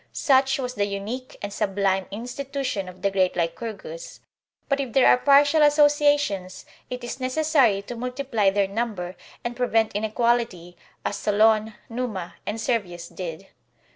* Such was the unique and sublime institution of the great Lycurgus. But if there are partial associations, it is necessary to multiply their ntmiber and prevent inequality, as Solon, Numa, and Servius did.